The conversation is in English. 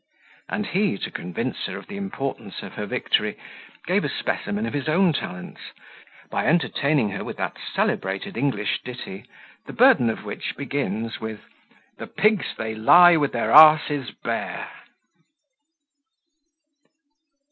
And he, to convince her of the importance of her victory, gave a specimen of his own talents, by entertaining her with that celebrated English ditty, the burden of which begins with, "The pigs they lie with their a s bare."